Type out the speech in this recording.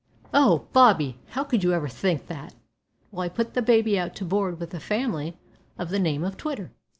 "Oh! Bobby, how could you ever think that! Well, I put the baby out to board with a family of the name of Twitter.